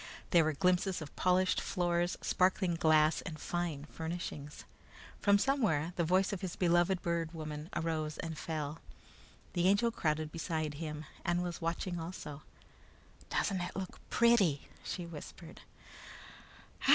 There were glimpses of polished floors, sparkling glass, and fine furnishings. From somewhere, the voice of his beloved Bird Woman arose and fell. The Angel crowded beside him and was watching also. "Doesn't it look pretty?" she whispered.